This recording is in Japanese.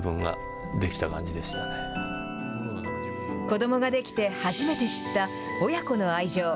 子どもが出来て、初めて知った親子の愛情。